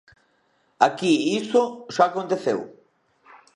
Aquí iso xa aconteceu.